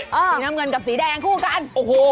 สีน้ำเงินกับสีแดงคู่กัน